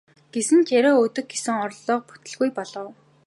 Гэсэн ч яриа өдөх гэсэн оролдлого бүтэлгүй болов.